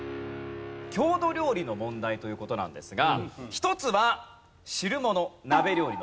郷土料理の問題という事なんですが１つは汁もの鍋料理の問題。